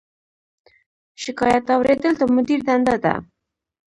شکایت اوریدل د مدیر دنده ده